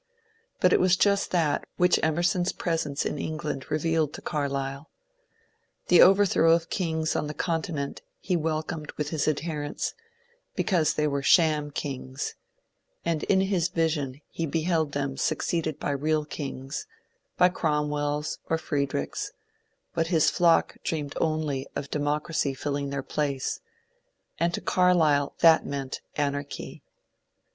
But it was just that which Emerson's presence in England revealed to Carlyle. The overthrow of kings on the Continent he welcomed with his adherents, because they were sham kings, and in his vision he beheld them succeeded by real kings, by / Cromwells or Friedricbs ; but his flock dreamed only of demo cracy filling their place, and to Carlyle that meant anarchy.